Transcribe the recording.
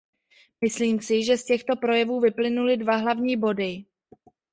Myslím si, že z těchto projevů vyplynuly dva hlavní body.